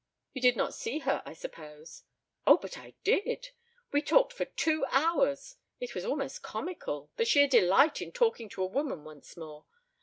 You did not see her, I suppose?" "Oh, but I did. We talked for two hours. It was almost comical the sheer delight in talking to a woman once more.